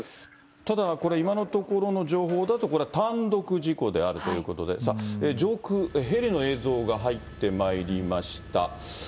ただこれ、今のところの情報だと、単独事故であるということで、さあ、上空、ヘリの映像が入ってまいりました。